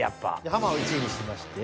ハマを１位にしまして。